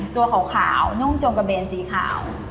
ตัวขาวนุ่งจงกระเบนสีขาว